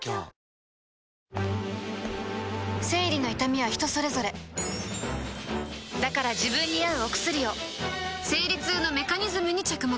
生理の痛みは人それぞれだから自分に合うお薬を生理痛のメカニズムに着目